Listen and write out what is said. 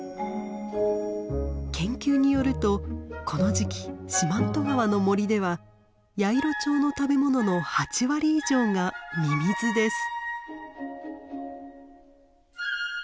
研究によるとこの時期四万十川の森ではヤイロチョウの食べ物の８割以上がミミズです。